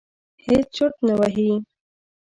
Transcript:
هېڅ چرت نه وهي.